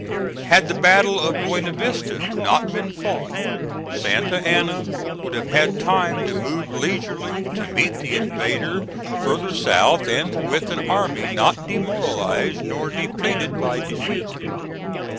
Had the battle of Buena Vista not been fought Santa Anna would have had time to move leisurely to meet the invader further south and with an army not demoralized nor depleted by defeat.